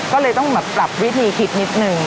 ก็เลยต้องแบบปรับวิธีคิดนิดนึง